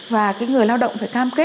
và cái người lao động phải cam kết